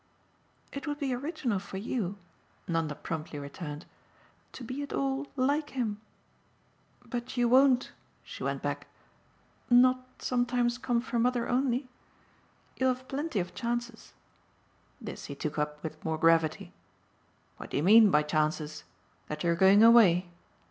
"It would be original for you," Nanda promptly returned, "to be at all like him. But you won't," she went back, "not sometimes come for mother only? You'll have plenty of chances." This he took up with more gravity. "What do you mean by chances? That you're going away?